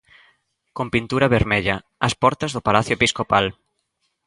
Con pintura vermella, as portas do palacio episcopal.